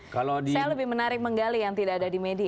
saya lebih menarik menggali yang tidak ada di media